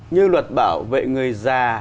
như luật bảo vệ người già